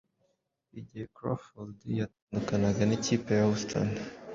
igihe Crawford yatandukanaga n'ikipe ya Houston